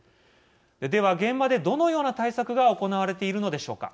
では、現場でどのような対策が行われているのでしょうか。